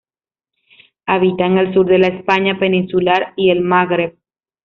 Habita en el sur de la España peninsular y el Magreb.